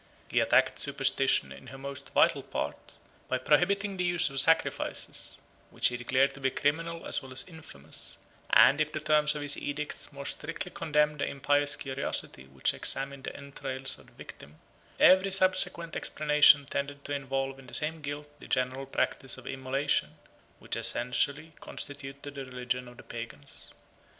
25 He attacked superstition in her most vital part, by prohibiting the use of sacrifices, which he declared to be criminal as well as infamous; and if the terms of his edicts more strictly condemned the impious curiosity which examined the entrails of the victim, 26 every subsequent explanation tended to involve in the same guilt the general practice of immolation, which essentially constituted the religion of the Pagans.